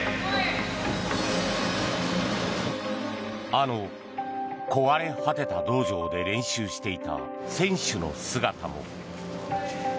あの壊れ果てた道場で練習していた選手の姿も。